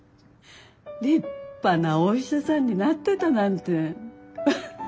立派なお医者さんになってたなんて。